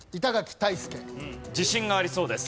自信がありそうです。